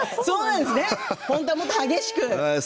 本当はもっと楽しく。